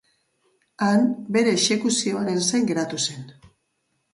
Han bere exekuzioaren zain geratu zen.